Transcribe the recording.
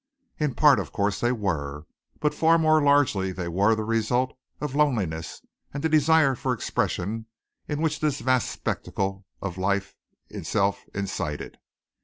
In part of course they were, but far more largely they were the result of loneliness and the desire for expression which this vast spectacle of life itself incited.